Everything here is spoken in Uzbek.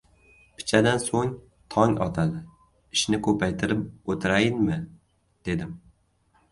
Pichadan so‘g‘in tong otadi — ishni ko‘paytirib o‘tirayinmi, dedim.